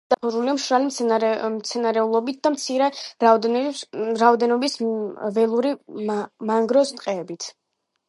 მისი ზედაპირი დაფარულია მშრალი მცენარეულობით და მცირე რაოდენობის ველური მანგროს ტყეებით.